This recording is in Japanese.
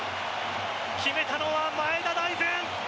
決めたのは前田大然！